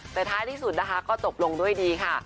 แต่ท้ายที่สุดนะคะก็จบลงด้วยดีค่ะ